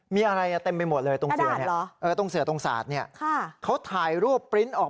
มีอะไรเต็มไปหมดเลยตรงเสือตรงสาด